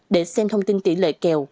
để xem thông tin tỷ lệ kèo